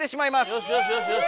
よしよしよしよし！